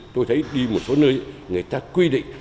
tôi thấy đi một số nơi người ta quy định